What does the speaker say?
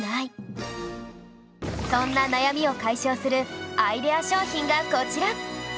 そんな悩みを解消するアイデア商品がこちら